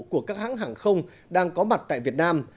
của các hãng hàng không đang có mặt tại việt nam